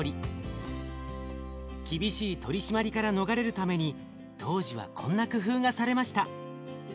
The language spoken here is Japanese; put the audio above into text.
厳しい取り締まりから逃れるために当時はこんな工夫がされました。